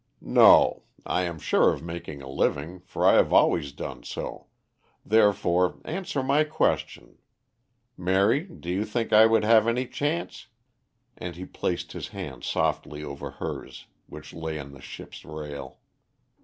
"No. I am sure of making a living, for I have always done so; therefore answer my question. Mary, do you think I would have any chance?" and he placed his hand softly over hers, which lay on the ship's rail.